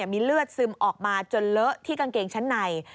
มีเลือดซึมออกมาจนเลอะที่กางเกงชั้นใน